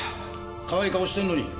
かわいい顔してんのに。